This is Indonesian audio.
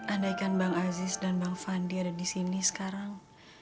andaikan bang aziz dan bang fandi ada di sini sekarang